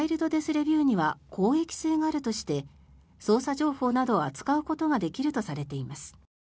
レビューには公益性があるとして捜査情報などを扱うことができるとされています。